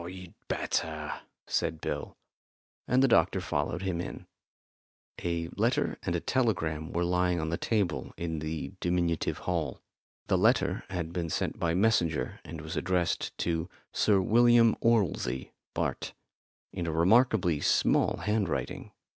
"You'd better," said Bill, and the doctor followed him in. A letter and a telegram were lying on the table in the diminutive hall. The letter had been sent by messenger, and was addressed to Sir William Orlsey, Bart., in a remarkably small hand writing.